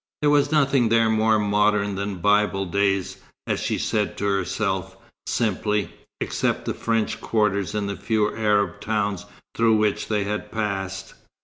There was nothing there more modern than "Bible days," as she said to herself, simply, except the French quarters in the few Arab towns through which they had passed.